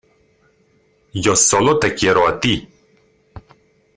yo solo te quiero a ti.